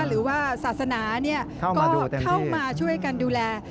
หรือว่าศาสนาก็เข้ามาช่วยกันดูแล